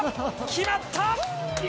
決まった！